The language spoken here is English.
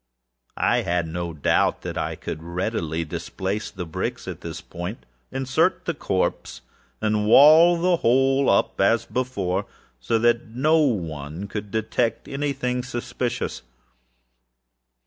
I made no doubt that I could readily displace the bricks at this point, insert the corpse, and wall the whole up as before, so that no eye could detect any thing suspicious.